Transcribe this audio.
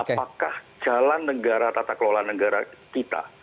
apakah jalan negara tata kelola negara kita